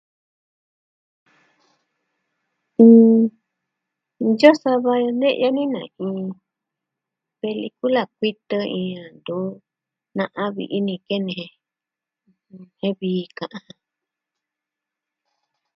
M... iyo sava ne'ya ni na iin pelikula kuitɨ iin a ntu na'a vi'i kene je. Jen vii ka'an ja.